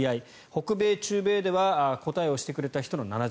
北米、中米では答えをしてくれた人の７０％